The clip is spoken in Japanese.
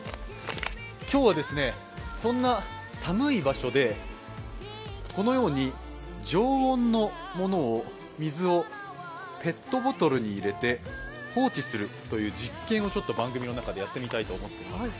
今日はそんな寒い場所で常温の水をペットボトルに入れて放置するという実験を番組の中でやってみたいと思っています。